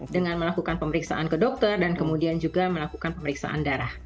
dengan melakukan pemeriksaan ke dokter dan kemudian juga melakukan pemeriksaan darah